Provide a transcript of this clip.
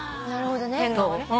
なるほどね。